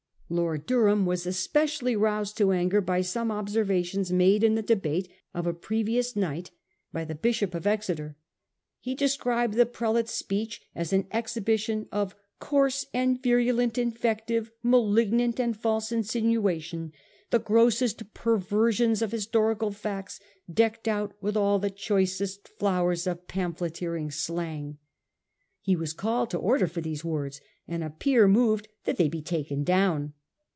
Lord Durham was especially roused to anger by some observations made in the debate of a previous night by the Bishop of Exeter. He described the prelate's speech as an exhibition of ' coarse and virulent invective, malig nant and false insinuation, the grossest perversions of historical facts decked out with all the choicest flowers of pamphleteering slang.' He was called to order for these words, and a peer moved that they be taken down.